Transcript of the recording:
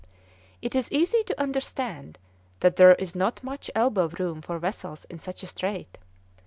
It is easy to understand that there is not much elbow room for vessels in such a strait.